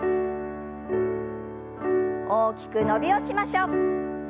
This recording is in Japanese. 大きく伸びをしましょう。